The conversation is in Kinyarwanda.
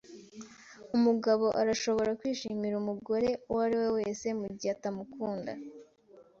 Umugabo arashobora kwishimira umugore uwo ari we wese mugihe atamukunda.